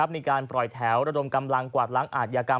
มีการปล่อยแถวระดมกำลังกวาดล้างอาทยากรรม